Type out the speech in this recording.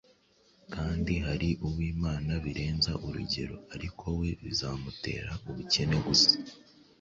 kandi hari uwimana birenza urugero, ariko we bizamutera ubukene gusa.